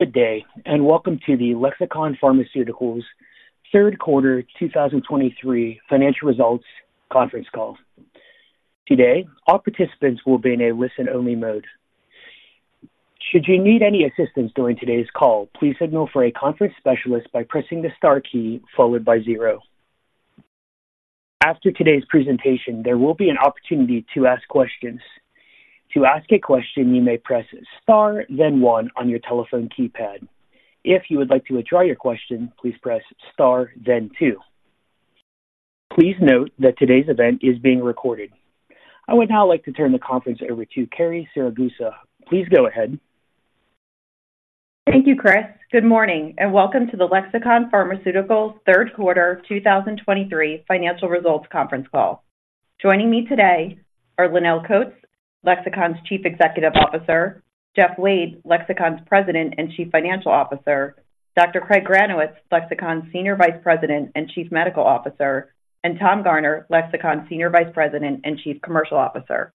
Good day, and welcome to the Lexicon Pharmaceuticals Third Quarter 2023 Financial Results Conference Call. Today, all participants will be in a listen-only mode. Should you need any assistance during today's call, please signal for a conference specialist by pressing the star key, followed by zero. After today's presentation, there will be an opportunity to ask questions. To ask a question, you may press star, then one on your telephone keypad. If you would like to withdraw your question, please press star, then two. Please note that today's event is being recorded. I would now like to turn the conference over to Carrie Siragusa. Please go ahead. Thank you, Chris. Good morning, and welcome to the Lexicon Pharmaceuticals Third Quarter 2023 Financial Results conference call. Joining me today are Lonnel Coats, Lexicon's Chief Executive Officer; Jeffrey Wade, Lexicon's President and Chief Financial Officer; Dr. Craig Granowitz, Lexicon's Senior Vice President and Chief Medical Officer; and Tom Garner, Lexicon's Senior Vice President and Chief Commercial Officer.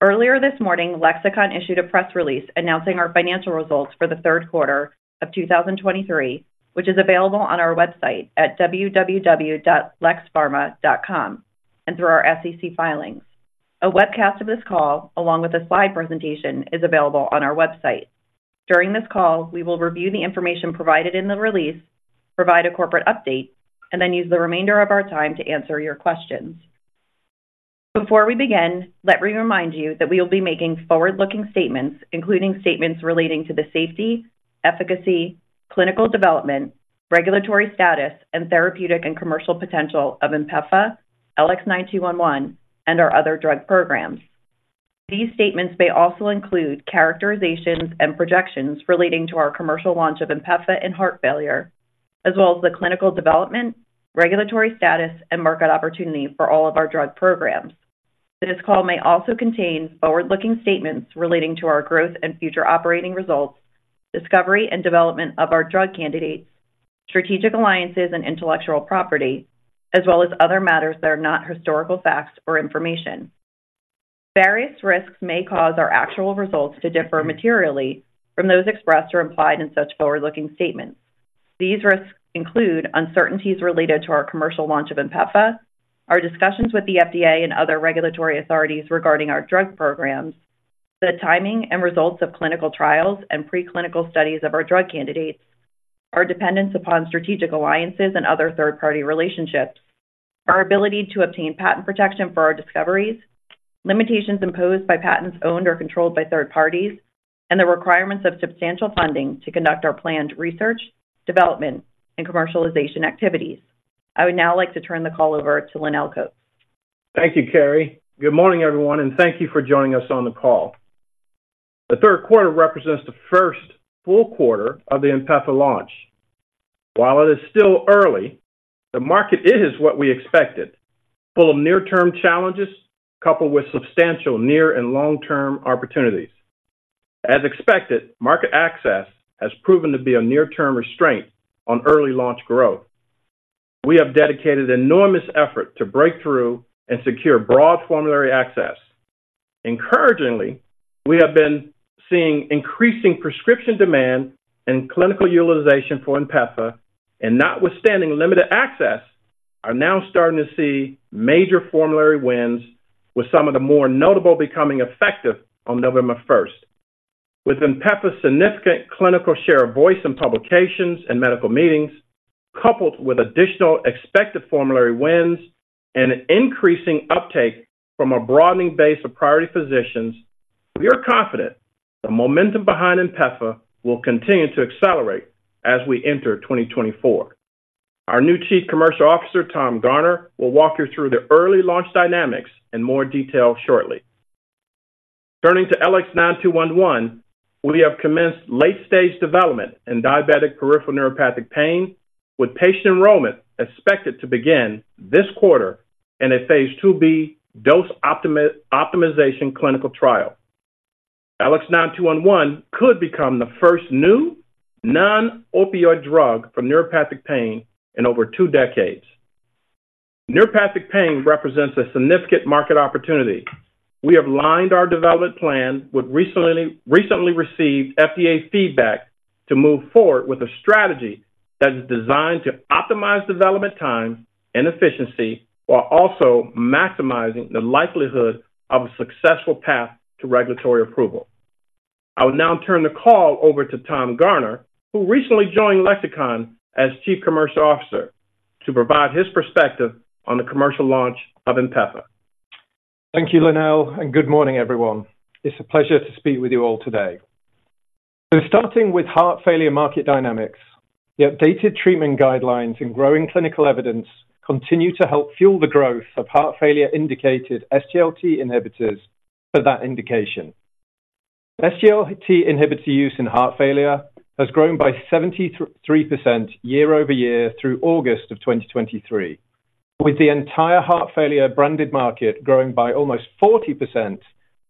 Earlier this morning, Lexicon issued a press release announcing our financial results for the third quarter of 2023, which is available on our website at www.lexpharma.com and through our SEC filings. A webcast of this call, along with a slide presentation, is available on our website. During this call, we will review the information provided in the release, provide a corporate update, and then use the remainder of our time to answer your questions. Before we begin, let me remind you that we will be making forward-looking statements, including statements relating to the safety, efficacy, clinical development, regulatory status, and therapeutic and commercial potential of INPEFA, LX9211, and our other drug programs. These statements may also include characterizations and projections relating to our commercial launch of INPEFA in heart failure These risks include uncertainties related to our commercial launch of INPEFA, our discussions with the FDA and other regulatory authorities regarding our drug programs, the timing and results of clinical trials and preclinical studies of our drug candidates, our dependence upon strategic alliances and other third-party relationships, our ability to obtain patent protection for our discoveries, limitations imposed by patents owned or controlled by third parties, and the requirements of substantial funding to conduct our planned research, development, and commercialization activities. I would now like to turn the call over to Lonnel Coats. Thank you, Carrie. Good morning, everyone, and thank you for joining us on the call. The third quarter represents the first full quarter of the INPEFA launch. While it is still early, the market is what we expected, full of near-term challenges, coupled with substantial near and long-term opportunities. As expected, market access has proven to be a near-term restraint on early launch growth. We have dedicated enormous effort to break through and secure broad formulary access. Encouragingly, we have been seeing increasing prescription demand and clinical utilization for INPEFA, and notwithstanding limited access, are now starting to see major formulary wins, with some of the more notable becoming effective on November first. With INPEFA's significant clinical share of voice in publications and medical meetings, coupled with additional expected formulary wins and an increasing uptake from a broadening base of priority physicians, we are confident the momentum behind INPEFA will continue to accelerate as we enter 2024. Our new Chief Commercial Officer, Tom Garner, will walk you through the early launch dynamics in more detail shortly. Turning to LX9211, we have commenced late-stage development in diabetic peripheral neuropathic pain, with patient enrollment expected to begin this quarter in Phase IIb dose optimization clinical trial. LX9211 could become the first new non-opioid drug for neuropathic pain in over two decades. Neuropathic pain represents a significant market opportunity. We have lined our development plan with recently received FDA feedback to move forward with a strategy that is designed to optimize development time and efficiency, while also maximizing the likelihood of a successful path to regulatory approval. I will now turn the call over to Tom Garner, who recently joined Lexicon as Chief Commercial Officer, to provide his perspective on the commercial launch of INPEFA. Thank you, Lonnel, and good morning, everyone. It's a pleasure to speak with you all today. So starting with heart failure market dynamics, the updated treatment guidelines and growing clinical evidence continue to help fuel the growth of heart failure-indicated SGLT inhibitors for that indication. SGLT inhibitor use in heart failure has grown by 73% year-over-year through August of 2023, with the entire heart failure branded market growing by almost 40%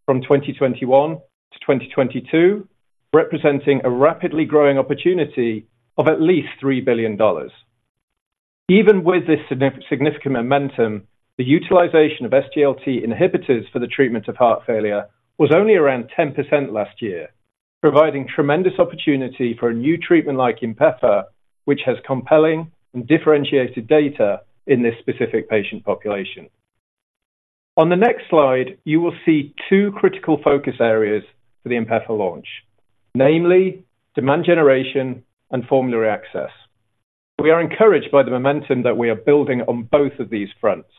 from 2021 to 2022, representing a rapidly growing opportunity of at least $3 billion. Even with this significant momentum, the utilization of SGLT inhibitors for the treatment of heart failure was only around 10% last year, providing tremendous opportunity for a new treatment like INPEFA, which has compelling and differentiated data in this specific patient population. On the next slide, you will see two critical focus areas for the INPEFA launch: namely, demand generation and formulary access. We are encouraged by the momentum that we are building on both of these fronts.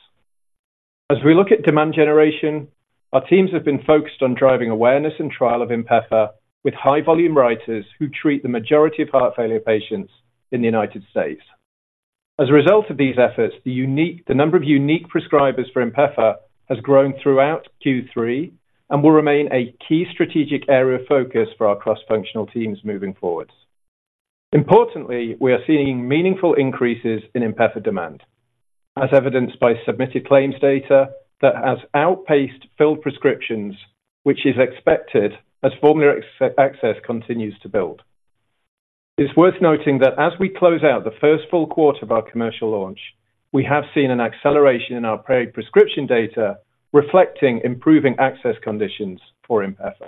As we look at demand generation, our teams have been focused on driving awareness and trial of INPEFA with high-volume writers who treat the majority of heart failure patients in the United States. As a result of these efforts, the number of unique prescribers for INPEFA has grown throughout Q3 and will remain a key strategic area of focus for our cross-functional teams moving forward. Importantly, we are seeing meaningful increases in INPEFA demand, as evidenced by submitted claims data that has outpaced filled prescriptions, which is expected as formulary access continues to build. It's worth noting that as we close out the first full quarter of our commercial launch, we have seen an acceleration in our prescription data, reflecting improving access conditions for INPEFA.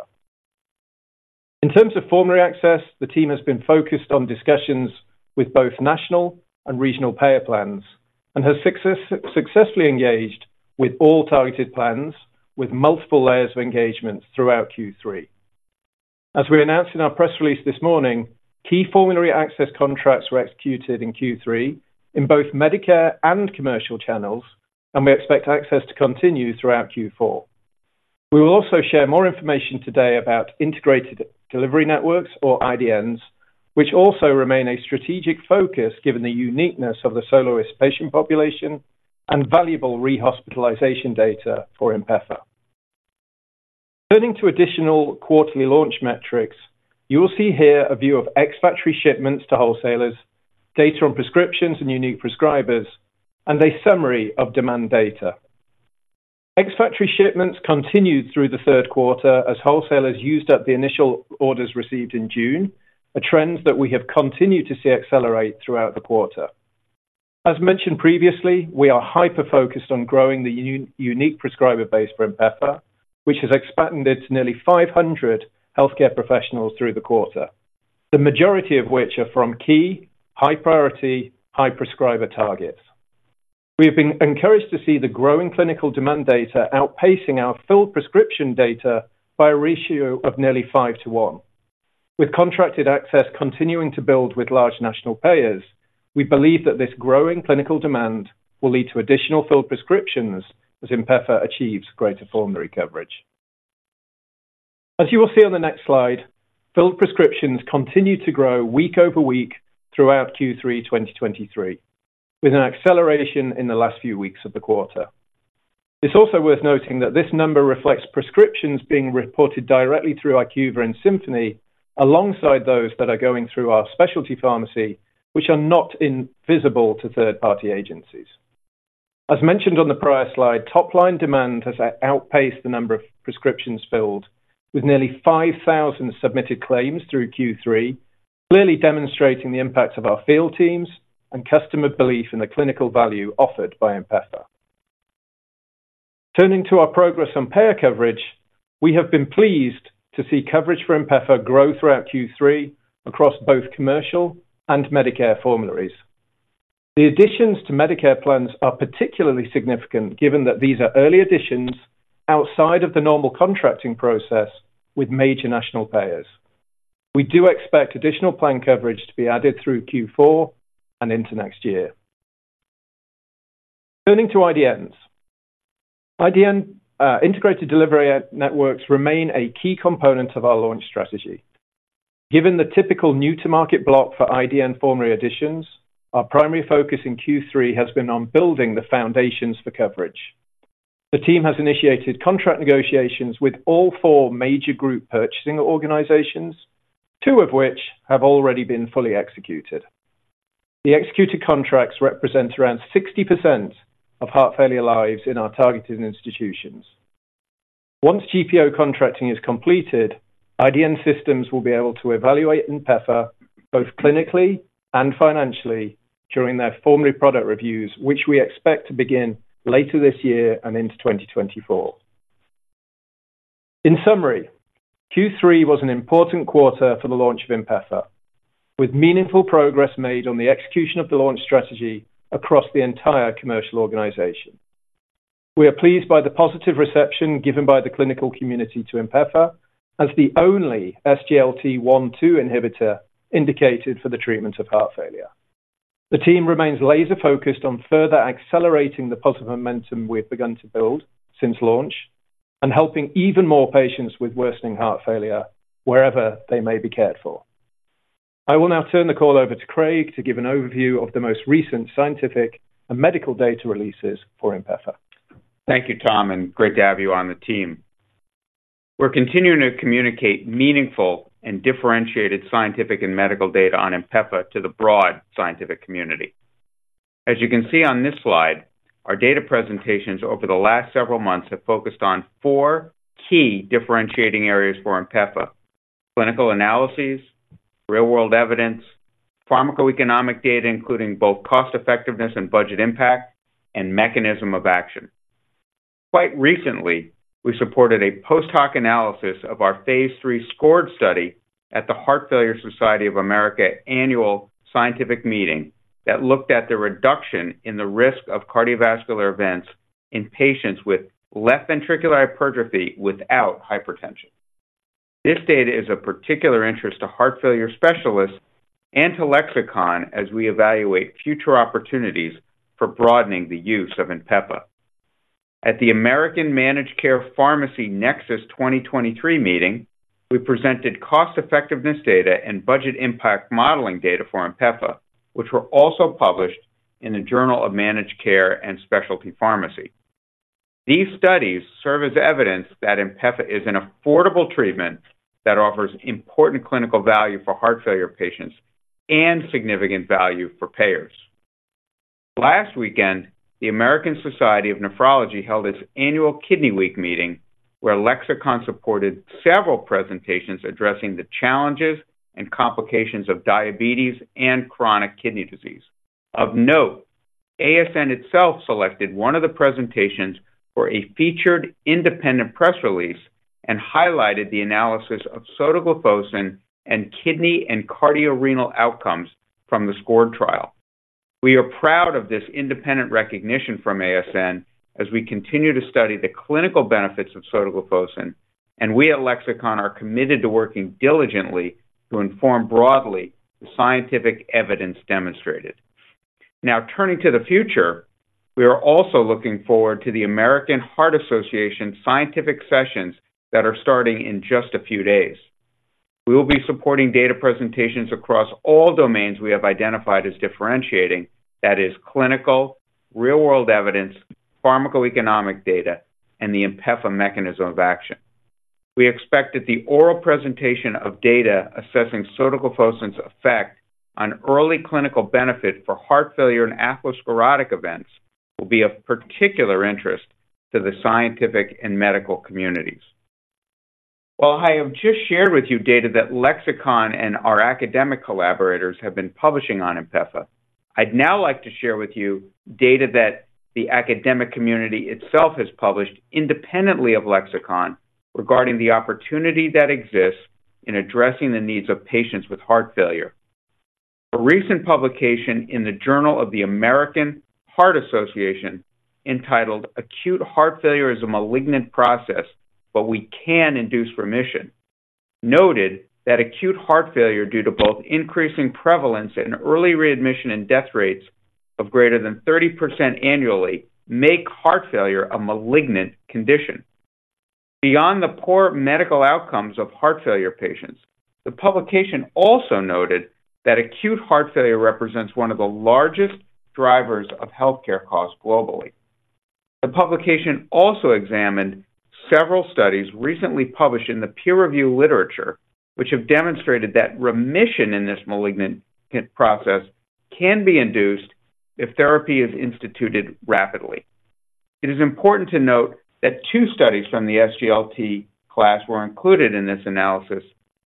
In terms of formulary access, the team has been focused on discussions with both national and regional payer plans and has successfully engaged with all targeted plans, with multiple layers of engagement throughout Q3. As we announced in our press release this morning, key formulary access contracts were executed in Q3 in both Medicare and commercial channels, and we expect access to continue throughout Q4. We will also share more information today about integrated delivery networks or IDNs, which also remain a strategic focus given the uniqueness of the SOLOIST patient population and valuable rehospitalization data for INPEFA. Turning to additional quarterly launch metrics, you will see here a view of ex-factory shipments to wholesalers, data on prescriptions and unique prescribers, and a summary of demand data. Ex-factory shipments continued through the third quarter as wholesalers used up the initial orders received in June, a trend that we have continued to see accelerate throughout the quarter. As mentioned previously, we are hyper-focused on growing the unique prescriber base for INPEFA, which has expanded to nearly 500 healthcare professionals through the quarter. The majority of which are from key, high-priority, high-prescriber targets. We have been encouraged to see the growing clinical demand data outpacing our filled prescription data by a ratio of nearly 5-to-1. With contracted access continuing to build with large national payers, we believe that this growing clinical demand will lead to additional filled prescriptions as INPEFA achieves greater formulary coverage. As you will see on the next slide, filled prescriptions continued to grow week over week throughout Q3 2023, with an acceleration in the last few weeks of the quarter. It's also worth noting that this number reflects prescriptions being reported directly through IQVIA and Symphony, alongside those that are going through our specialty pharmacy, which are not invisible to third-party agencies. As mentioned on the prior slide, top-line demand has outpaced the number of prescriptions filled, with nearly 5,000 submitted claims through Q3, clearly demonstrating the impact of our field teams and customer belief in the clinical value offered by INPEFA. Turning to our progress on payer coverage, we have been pleased to see coverage for INPEFA grow throughout Q3 across both commercial and Medicare formularies. The additions to Medicare plans are particularly significant, given that these are early additions outside of the normal contracting process with major national payers. We do expect additional plan coverage to be added through Q4 and into next year. Turning to IDNs. IDN, integrated delivery networks remain a key component of our launch strategy. Given the typical new-to-market block for IDN formulary additions, our primary focus in Q3 has been on building the foundations for coverage. The team has initiated contract negotiations with all four major group purchasing organizations, two of which have already been fully executed. The executed contracts represent around 60% of heart failure lives in our targeted institutions. Once GPO contracting is completed, IDN systems will be able to evaluate INPEFA both clinically and financially during their formulary product reviews, which we expect to begin later this year and into 2024. In summary, Q3 was an important quarter for the launch of INPEFA, with meaningful progress made on the execution of the launch strategy across the entire commercial organization. We are pleased by the positive reception given by the clinical community to INPEFA, as the only SGLT1/SGLT2 inhibitor indicated for the treatment of heart failure. The team remains laser-focused on further accelerating the positive momentum we've begun to build since launch and helping even more patients with worsening heart failure wherever they may be cared for. I will now turn the call over to Craig to give an overview of the most recent scientific and medical data releases for INPEFA. Thank you, Tom, and great to have you on the team. We're continuing to communicate meaningful and differentiated scientific and medical data on INPEFA to the broad scientific community. As you can see on this slide, our data presentations over the last several months have focused on four key differentiating areas for INPEFA: clinical analyses, real-world evidence, pharmacoeconomic data, including both cost effectiveness and budget impact, and mechanism of action. Quite recently, we supported a post-hoc analysis of our Phase III SCORED study at the Heart Failure Society of America Annual Scientific Meeting that looked at the reduction in the risk of cardiovascular events in patients with left ventricular hypertrophy without hypertension. This data is of particular interest to heart failure specialists and to Lexicon as we evaluate future opportunities for broadening the use of INPEFA. At the Academy of Managed Care Pharmacy Nexus 2023 meeting, we presented cost effectiveness data and budget impact modeling data for INPEFA, which were also published in the Journal of Managed Care and Specialty Pharmacy. These studies serve as evidence that INPEFA is an affordable treatment that offers important clinical value for heart failure patients and significant value for payers. Last weekend, the American Society of Nephrology held its annual Kidney Week meeting, where Lexicon supported several presentations addressing the challenges and complications of diabetes and chronic kidney disease. Of note, ASN itself selected one of the presentations for a featured independent press release and highlighted the analysis of sotagliflozin and kidney and cardiorenal outcomes from the SCORED trial. We are proud of this independent recognition from ASN as we continue to study the clinical benefits of sotagliflozin, and we at Lexicon are committed to working diligently to inform broadly the scientific evidence demonstrated. Now, turning to the future, we are also looking forward to the American Heart Association Scientific Sessions that are starting in just a few days. We will be supporting data presentations across all domains we have identified as differentiating. That is, clinical, real-world evidence, pharmacoeconomic data, and the INPEFA mechanism of action. We expect that the oral presentation of data assessing sotagliflozin's effect on early clinical benefit for heart failure and atherosclerotic events will be of particular interest to the scientific and medical communities. While I have just shared with you data that Lexicon and our academic collaborators have been publishing on INPEFA, I'd now like to share with you data that the academic community itself has published independently of Lexicon regarding the opportunity that exists in addressing the needs of patients with heart failure. A recent publication in the Journal of the American Heart Association, entitled Acute Heart Failure is a Malignant Process, but We Can Induce Remission, noted that acute heart failure, due to both increasing prevalence and early readmission and death rates of greater than 30% annually, make heart failure a malignant condition. Beyond the poor medical outcomes of heart failure patients, the publication also noted that acute heart failure represents one of the largest drivers of healthcare costs globally. The publication also examined several studies recently published in the peer-reviewed literature, which have demonstrated that remission in this malignant process can be induced if therapy is instituted rapidly. It is important to note that two studies from the SGLT class were included in this analysis,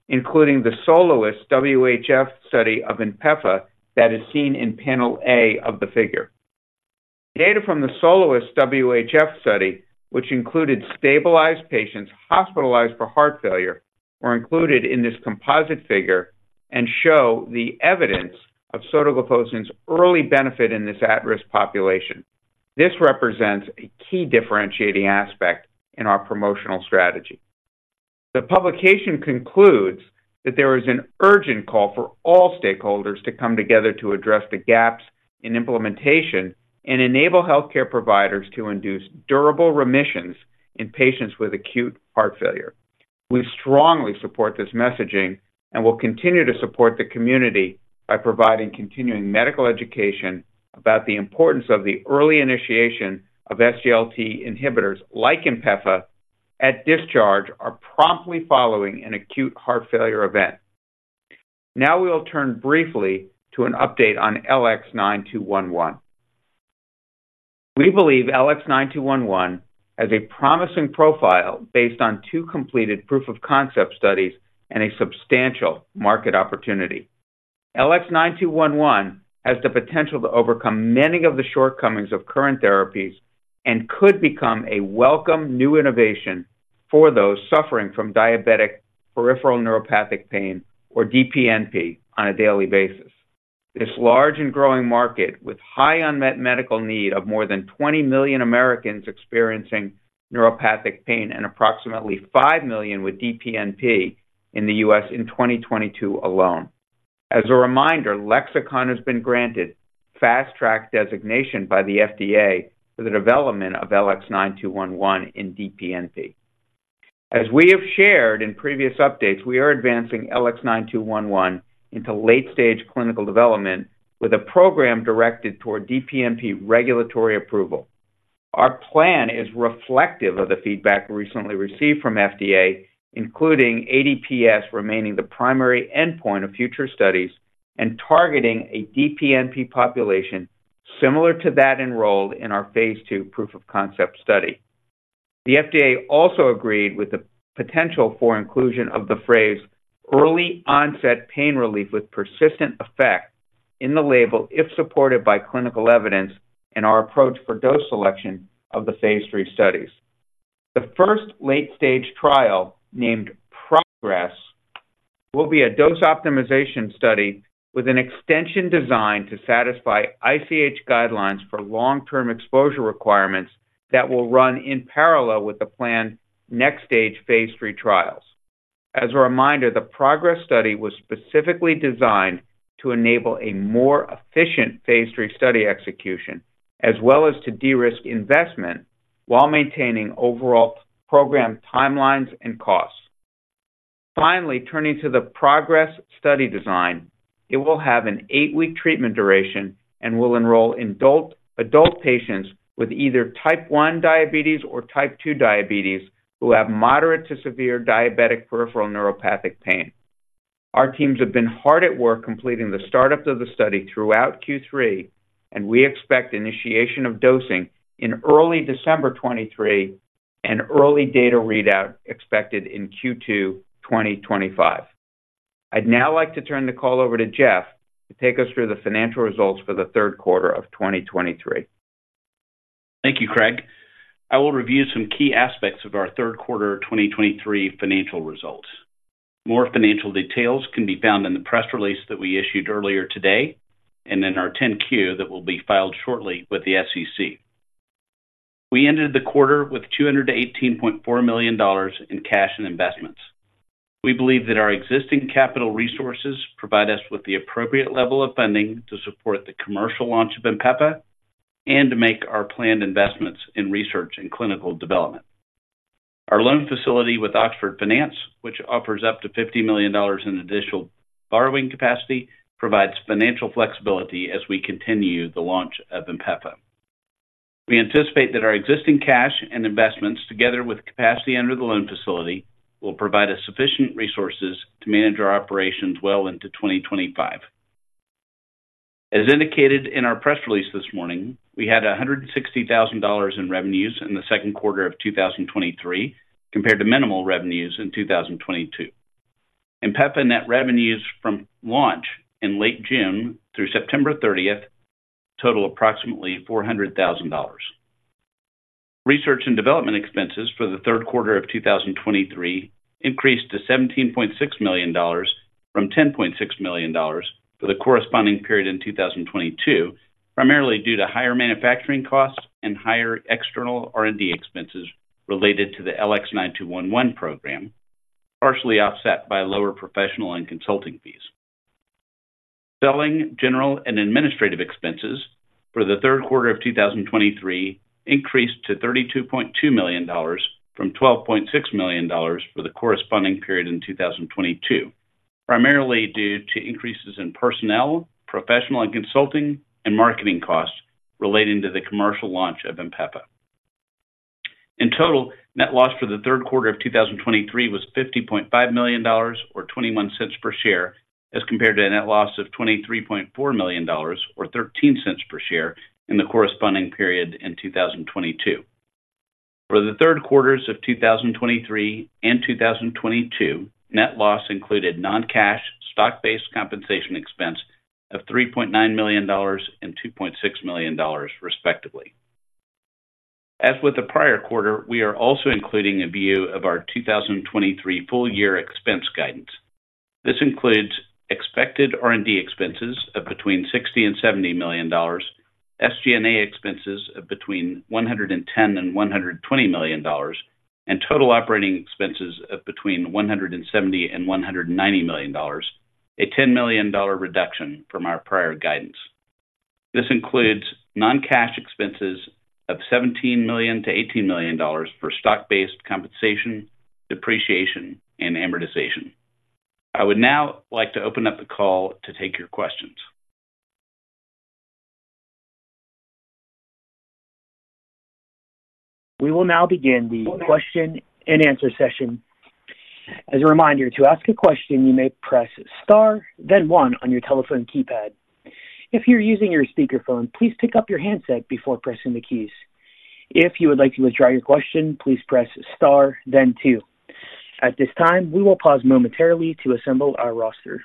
including the SOLOIST-WHF study of sotagliflozin that is seen in panel A of the figure. Data from the SOLOIST-WHF study, which included stabilized patients hospitalized for heart failure, were included in this composite figure and show the evidence of sotagliflozin's early benefit in this at-risk population. This represents a key differentiating aspect in our promotional strategy. The publication concludes that there is an urgent call for all stakeholders to come together to address the gaps in implementation and enable healthcare providers to induce durable remissions in patients with acute heart failure. We strongly support this messaging and will continue to support the community by providing continuing medical education about the importance of the early initiation of SGLT inhibitors like INPEFA at discharge or promptly following an acute heart failure event. Now we will turn briefly to an update on LX9211. We believe LX9211 has a promising profile based on two completed proof-of-concept studies and a substantial market opportunity. LX9211 has the potential to overcome many of the shortcomings of current therapies and could become a welcome new innovation for those suffering from diabetic peripheral neuropathic pain, or DPNP, on a daily basis. This large and growing market, with high unmet medical need of more than 20 million Americans experiencing neuropathic pain and approximately 5 million with DPNP in the U.S. in 2022 alone. As a reminder, Lexicon has been granted Fast Track designation by the FDA for the development of LX9211 in DPNP. As we have shared in previous updates, we are advancing LX9211 into late-stage clinical development with a program directed toward DPNP regulatory approval. Our plan is reflective of the feedback we recently received from FDA, including ADPS remaining the primary endpoint of future studies and targeting a DPNP population similar to that enrolled in our Phase II proof-of-concept study.... The FDA also agreed with the potential for inclusion of the phrase early onset pain relief with persistent effect in the label, if supported by clinical evidence and our approach for dose selection of the Phase III studies. The first late-stage trial, named PROGRESS, will be a dose optimization study with an extension design to satisfy ICH guidelines for long-term exposure requirements that will run in parallel with the planned next stage Phase III trials. As a reminder, the PROGRESS study was specifically designed to enable a more efficient Phase III study execution, as well as to de-risk investment while maintaining overall program timelines and costs. Finally, turning to the PROGRESS study design, it will have an 8-week treatment duration and will enroll adult patients with either type 1 diabetes or type 2 diabetes, who have moderate to severe diabetic peripheral neuropathic pain. Our teams have been hard at work completing the startup of the study throughout Q3, and we expect initiation of dosing in early December 2023 and early data readout expected in Q2 2025. I'd now like to turn the call over to Jeff to take us through the financial results for the third quarter of 2023. Thank you, Craig. I will review some key aspects of our third quarter 2023 financial results. More financial details can be found in the press release that we issued earlier today, and in our 10-Q that will be filed shortly with the SEC. We ended the quarter with $218.4 million in cash and investments. We believe that our existing capital resources provide us with the appropriate level of funding to support the commercial launch of INPEFA and to make our planned investments in research and clinical development. Our loan facility with Oxford Finance, which offers up to $50 million in additional borrowing capacity, provides financial flexibility as we continue the launch of INPEFA. We anticipate that our existing cash and investments, together with capacity under the loan facility, will provide us sufficient resources to manage our operations well into 2025. As indicated in our press release this morning, we had $160,000 in revenues in the second quarter of 2023, compared to minimal revenues in 2022. INPEFA net revenues from launch in late June through September 30 total approximately $400,000. Research and development expenses for the third quarter of 2023 increased to $17.6 million from $10.6 million for the corresponding period in 2022, primarily due to higher manufacturing costs and higher external R&D expenses related to the LX9211 program, partially offset by lower professional and consulting fees. Selling, general and administrative expenses for the third quarter of 2023 increased to $32.2 million from $12.6 million for the corresponding period in 2022, primarily due to increases in personnel, professional and consulting, and marketing costs relating to the commercial launch of INPEFA. In total, net loss for the third quarter of 2023 was $50.5 million, or $0.21 per share, as compared to a net loss of $23.4 million, or $0.13 per share, in the corresponding period in 2022. For the third quarters of 2023 and 2022, net loss included non-cash stock-based compensation expense of $3.9 million and $2.6 million, respectively. As with the prior quarter, we are also including a view of our 2023 full year expense guidance. This includes expected R&D expenses of between $60 million and $70 million, SG&A expenses of between $110 million and $120 million, and total operating expenses of between $170 million and $190 million, a $10 million reduction from our prior guidance. This includes non-cash expenses of $17 million-$18 million for stock-based compensation, depreciation, and amortization. I would now like to open up the call to take your questions. We will now begin the question and answer session. As a reminder, to ask a question, you may press star then one on your telephone keypad. If you're using your speakerphone, please pick up your handset before pressing the keys. If you would like to withdraw your question, please press star then two. At this time, we will pause momentarily to assemble our roster.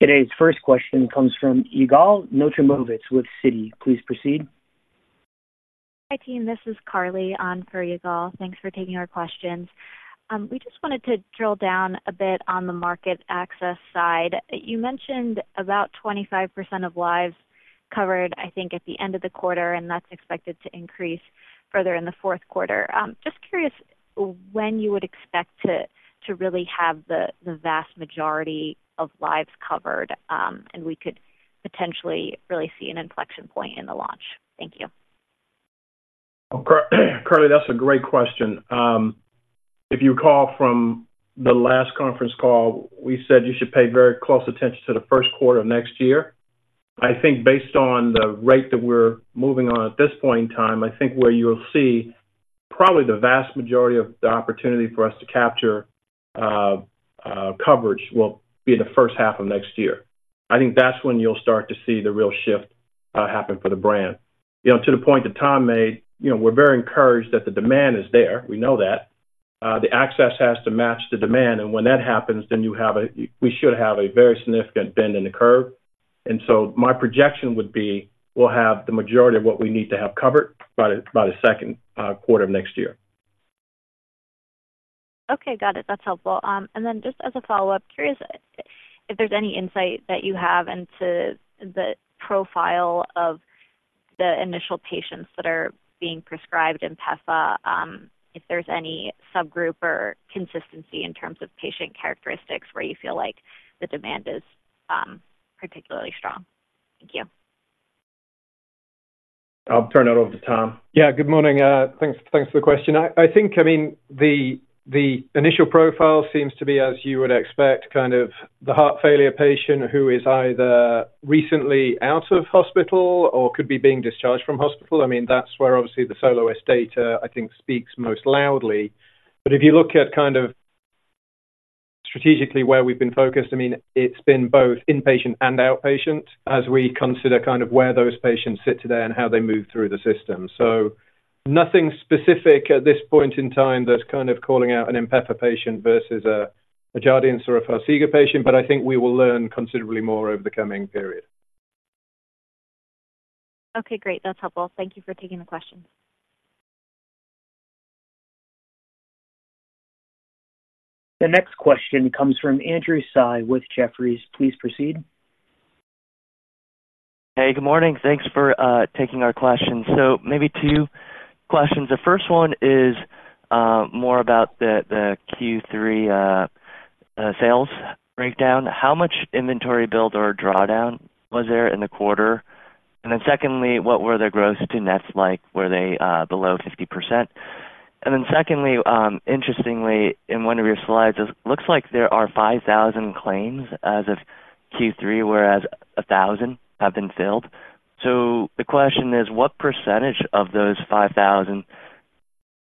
Today's first question comes from Yigal Nochomovitz with Citi. Please proceed. Hi, team. This is Carly on for Yigal. Thanks for taking our questions. We just wanted to drill down a bit on the market access side. You mentioned about 25% of lives covered, I think, at the end of the quarter, and that's expected to increase further in the fourth quarter. Just curious when you would expect to really have the vast majority of lives covered, and we could potentially really see an inflection point in the launch. Thank you. Carly, that's a great question. If you recall from the last conference call, we said you should pay very close attention to the first quarter of next year.... I think based on the rate that we're moving on at this point in time, I think where you'll see probably the vast majority of the opportunity for us to capture coverage will be in the first half of next year. I think that's when you'll start to see the real shift happen for the brand. You know, to the point that Tom made, you know, we're very encouraged that the demand is there. We know that. The access has to match the demand, and when that happens, then you have a- we should have a very significant bend in the curve. And so my projection would be, we'll have the majority of what we need to have covered by the second quarter of next year. Okay, got it. That's helpful. And then just as a follow-up, curious if there's any insight that you have into the profile of the initial patients that are being prescribed INPEFA, if there's any subgroup or consistency in terms of patient characteristics where you feel like the demand is, particularly strong? Thank you. I'll turn it over to Tom. Yeah. Good morning. Thanks for the question. I think, I mean, the initial profile seems to be, as you would expect, kind of the heart failure patient who is either recently out of hospital or could be being discharged from hospital. I mean, that's where obviously the SOLOIST data, I think, speaks most loudly. But if you look at kind of strategically where we've been focused, I mean, it's been both inpatient and outpatient as we consider kind of where those patients sit today and how they move through the system. So nothing specific at this point in time that's kind of calling out an INPEFA patient versus a Jardiance or a Farxiga patient, but I think we will learn considerably more over the coming period. Okay, great. That's helpful. Thank you for taking the question. The next question comes from Andrew Tsai with Jefferies. Please proceed. Hey, good morning. Thanks for taking our questions. So maybe two questions. The first one is more about the Q3 sales breakdown. How much inventory build or drawdown was there in the quarter? And then secondly, what were the gross to nets like? Were they below 50%? And then secondly, interestingly, in one of your slides, it looks like there are 5,000 claims as of Q3, whereas 1,000 have been filled. So the question is, what percentage of those 5,000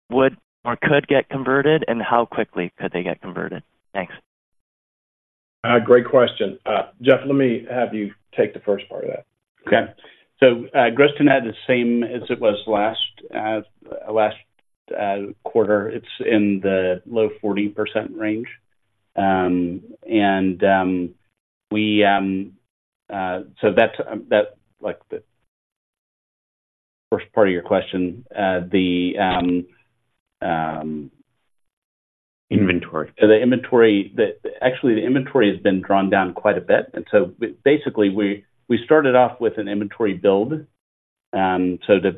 would or could get converted, and how quickly could they get converted? Thanks. Great question. Jeff, let me have you take the first part of that. Okay. So, gross to net is the same as it was last quarter. It's in the low 40% range. And so that's like the first part of your question, the- Inventory. Actually, the inventory has been drawn down quite a bit, and so basically, we started off with an inventory build, so to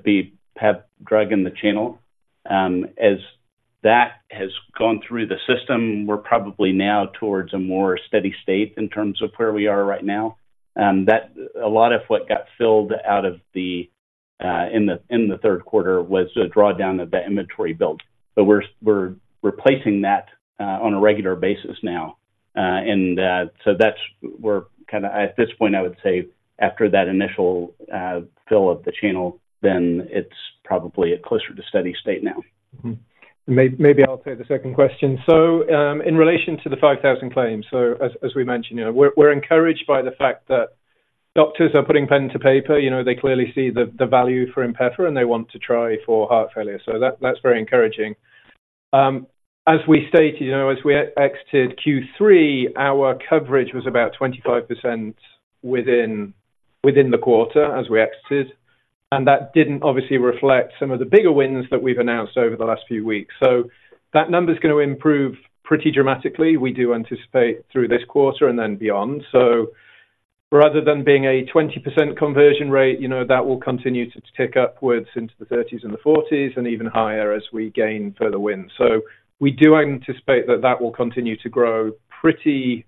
have drug in the channel. As that has gone through the system, we're probably now towards a more steady state in terms of where we are right now. A lot of what got filled out of the inventory in the third quarter was a drawdown of the inventory build. But we're replacing that on a regular basis now. And so, we're kind of at this point, I would say, after that initial fill of the channel, then it's probably closer to steady state now. Maybe I'll take the second question. So, in relation to the 5,000 claims, so as we mentioned, you know, we're, we're encouraged by the fact that doctors are putting pen to paper. You know, they clearly see the value for INPEFA, and they want to try for heart failure. So that's very encouraging. As we stated, you know, as we exited Q3, our coverage was about 25% within the quarter as we exited, and that didn't obviously reflect some of the bigger wins that we've announced over the last few weeks. So that number's gonna improve pretty dramatically. We do anticipate through this quarter and then beyond. So rather than being a 20% conversion rate, you know, that will continue to tick upwards into the 30s and the 40s and even higher as we gain further wins. So we do anticipate that that will continue to grow pretty,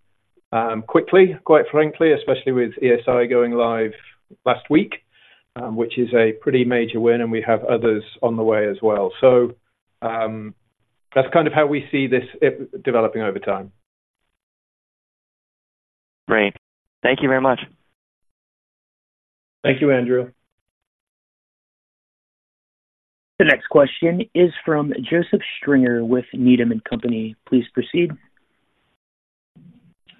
quickly, quite frankly, especially with ESI going live last week, which is a pretty major win, and we have others on the way as well. So, that's kind of how we see this developing over time. Great. Thank you very much. Thank you, Andrew. The next question is from Joseph Stringer with Needham and Company. Please proceed.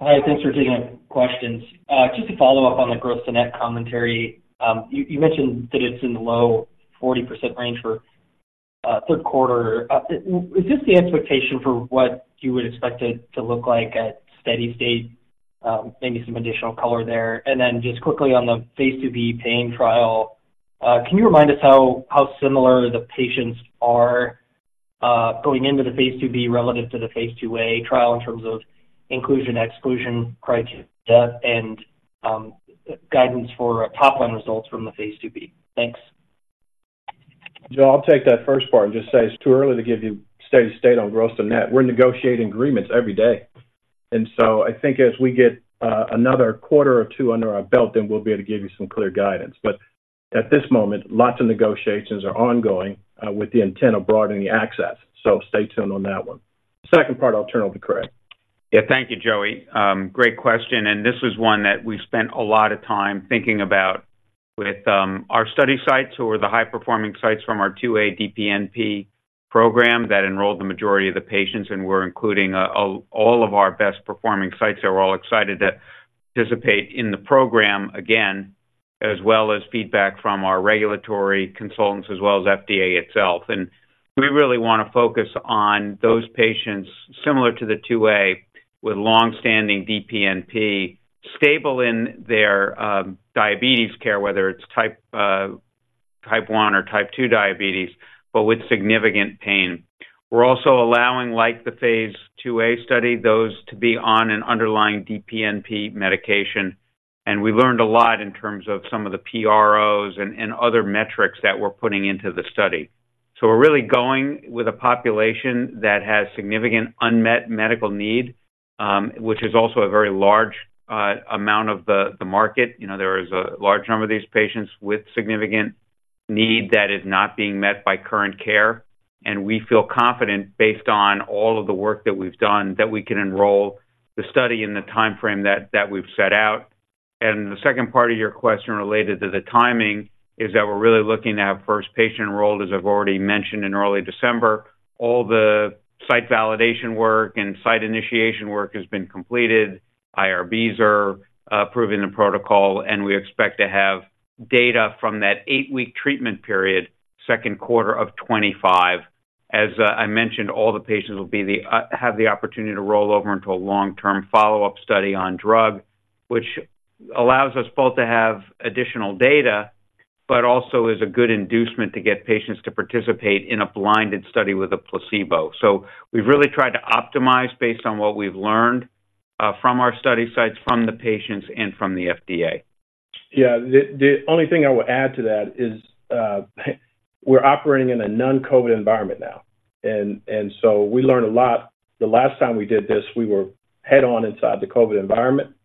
Hi, thanks for taking my questions. Just to follow up on the gross to net commentary. You mentioned that it's in the low 40% range for third quarter. Is this the expectation for what you would expect it to look like at steady state? Maybe some additional color there. And then just quickly on the Phase IIb pain trial, can you remind us how similar the patients are going into the Phase IIb relative to the Phase IIa trial in terms of inclusion, exclusion criteria and guidance for top-line results from the Phase IIb? Thanks. Joe, I'll take that first part and just say it's too early to give you steady state on gross to net. We're negotiating agreements every day, and so I think as we get another quarter or two under our belt, then we'll be able to give you some clear guidance. But at this moment, lots of negotiations are ongoing with the intent of broadening the access, so stay tuned on that one. Second part, I'll turn over to Craig. Yeah, thank you, Joey. Great question, and this is one that we've spent a lot of time thinking about with our study sites, who are the high-performing sites from our 2a DPNP program that enrolled the majority of the patients, and we're including all of our best-performing sites. They're all excited to participate in the program again, as well as feedback from our regulatory consultants, as well as FDA itself. We really want to focus on those patients similar to the 2a, with long-standing DPNP, stable in their diabetes care, whether it's type 1 or type 2 diabetes, but with significant pain. We're also allowing, like Phase IIa study, those to be on an underlying DPNP medication, and we learned a lot in terms of some of the PROs and other metrics that we're putting into the study. So we're really going with a population that has significant unmet medical need, which is also a very large amount of the market. You know, there is a large number of these patients with significant need that is not being met by current care, and we feel confident, based on all of the work that we've done, that we can enroll the study in the timeframe that we've set out. And the second part of your question related to the timing is that we're really looking at first patient enrolled, as I've already mentioned, in early December. All the site validation work and site initiation work has been completed. IRBs are approving the protocol, and we expect to have data from that eight-week treatment period, second quarter of 2025. As I mentioned, all the patients will have the opportunity to roll over into a long-term follow-up study on drug, which allows us both to have additional data, but also is a good inducement to get patients to participate in a blinded study with a placebo. So we've really tried to optimize based on what we've learned from our study sites, from the patients, and from the FDA. Yeah. The only thing I would add to that is, we're operating in a non-COVID environment now, and so we learned a lot. The last time we did this, we were head-on inside the COVID environment,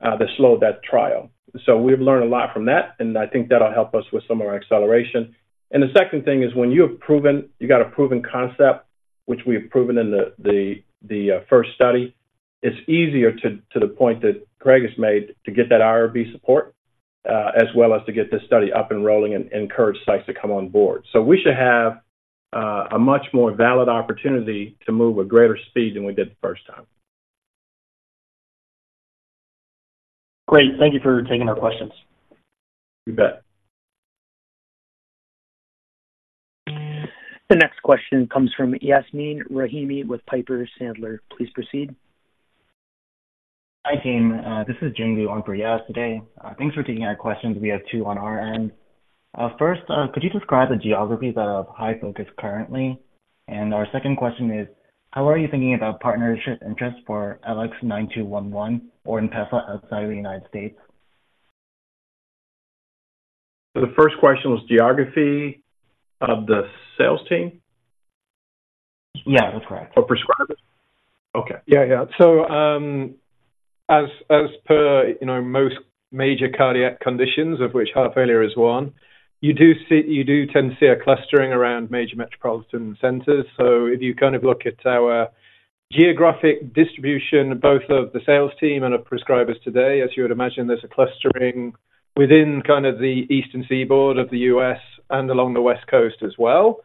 that slowed that trial. So we've learned a lot from that, and I think that'll help us with some of our acceleration. And the second thing is, when you have proven—you've got a proven concept, which we have proven in the first study, it's easier to the point that Craig has made, to get that IRB support, as well as to get this study up and rolling and encourage sites to come on board. So we should have a much more valid opportunity to move with greater speed than we did the first time. Great. Thank you for taking our questions. You bet. The next question comes from Yasmin Rahimi with Piper Sandler. Please proceed. Hi, team. This is Jing He on for Yas today. Thanks for taking our questions. We have two on our end. First, could you describe the geographies that are of high focus currently? Our second question is, how are you thinking about partnership interest for LX9211 or INPEFA outside of the United States? The first question was geography of the sales team? Yeah, that's correct. Or prescribers? Okay. Yeah. Yeah. So, as per, you know, most major cardiac conditions, of which heart failure is one, you do see—you do tend to see a clustering around major metropolitan centers. So if you kind of look at our geographic distribution, both of the sales team and of prescribers today, as you would imagine, there's a clustering within kind of the Eastern Seaboard of the U.S. and along the West Coast as well.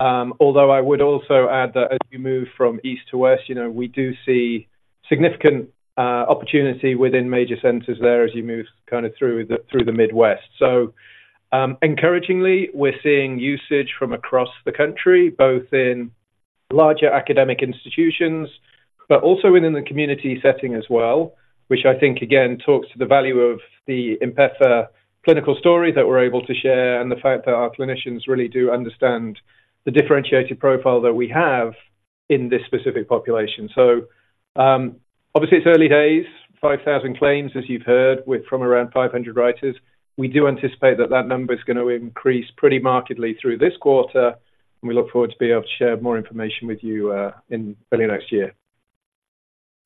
Although I would also add that as you move from east to west, you know, we do see significant opportunity within major centers there as you move kind of through the Midwest. So, encouragingly, we're seeing usage from across the country, both in larger academic institutions, but also within the community setting as well, which I think, again, talks to the value of the INPEFA clinical story that we're able to share and the fact that our clinicians really do understand the differentiated profile that we have in this specific population. So, obviously, it's early days, 5,000 claims, as you've heard, with from around 500 writers. We do anticipate that that number is going to increase pretty markedly through this quarter, and we look forward to be able to share more information with you in early next year.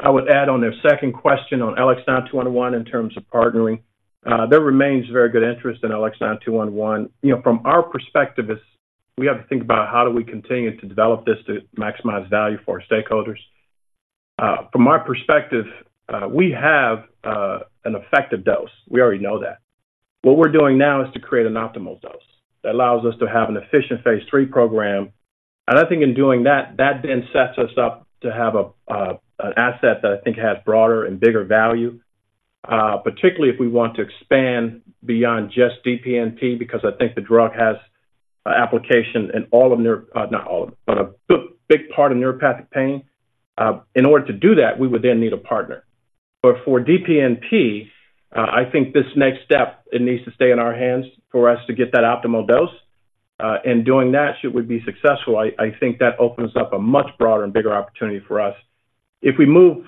I would add on the second question on LX9211, in terms of partnering. There remains very good interest in LX9211. You know, from our perspective, is we have to think about how do we continue to develop this to maximize value for our stakeholders. From our perspective, we have an effective dose. We already know that. What we're doing now is to create an optimal dose that allows us to have an efficient Phase III program. And I think in doing that, that then sets us up to have an asset that I think has broader and bigger value, particularly if we want to expand beyond just DPNP, because I think the drug has application in all of neuropathic... not all, but a big part of neuropathic pain. In order to do that, we would then need a partner. But for DPNP, I think this next step, it needs to stay in our hands for us to get that optimal dose. And doing that, should we be successful, I think that opens up a much broader and bigger opportunity for us. If we move,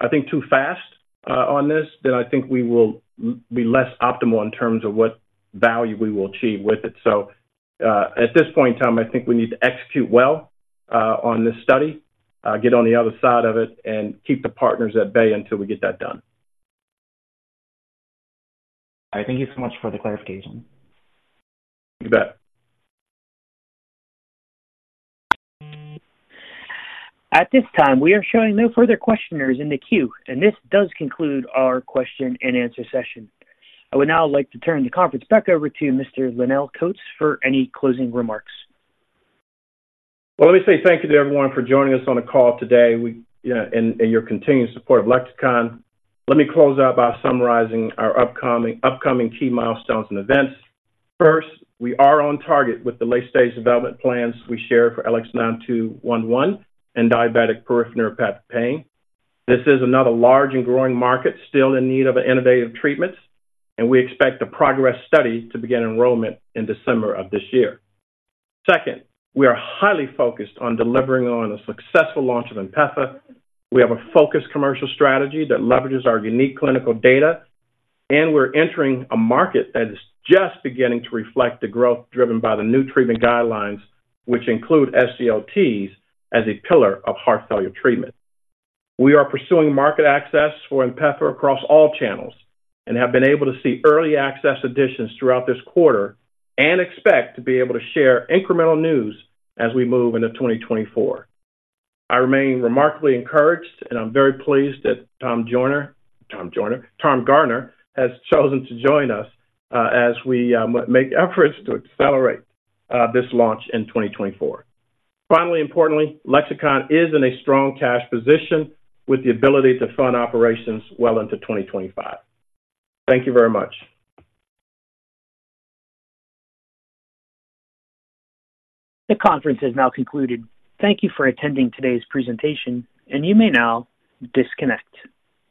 I think, too fast, on this, then I think we will be less optimal in terms of what value we will achieve with it. So, at this point in time, I think we need to execute well, on this study, get on the other side of it and keep the partners at bay until we get that done. All right. Thank you so much for the clarification. You bet. At this time, we are showing no further questioners in the queue, and this does conclude our question-and-answer session. I would now like to turn the conference back over to Mr. Lonnel Coats for any closing remarks. Well, let me say thank you to everyone for joining us on the call today. We and your continued support of Lexicon. Let me close out by summarizing our upcoming key milestones and events. First, we are on target with the late-stage development plans we share for LX9211 in diabetic peripheral neuropathic pain. This is another large and growing market still in need of innovative treatments, and we expect the PROGRESS study to begin enrollment in December of this year. Second, we are highly focused on delivering on a successful launch of INPEFA. We have a focused commercial strategy that leverages our unique clinical data, and we're entering a market that is just beginning to reflect the growth driven by the new treatment guidelines, which include SGLTs as a pillar of heart failure treatment. We are pursuing market access for INPEFA across all channels and have been able to see early access additions throughout this quarter and expect to be able to share incremental news as we move into 2024. I remain remarkably encouraged, and I'm very pleased that Tom Garner has chosen to join us as we make efforts to accelerate this launch in 2024. Finally, importantly, Lexicon is in a strong cash position with the ability to fund operations well into 2025. Thank you very much. The conference has now concluded. Thank you for attending today's presentation, and you may now disconnect.